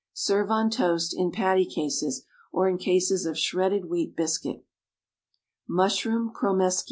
Serve on toast, in patty cases, or in cases of shredded wheat biscuit. =Mushroom Cromeskies.